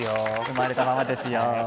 生まれたままですよ。